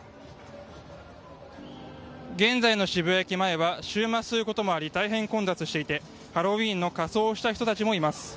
現在の渋谷駅前は週末ということもあり大変混雑していてハロウィーンの仮装をした人たちもいます。